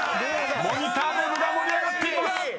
［モニタールームが盛り上がっています！］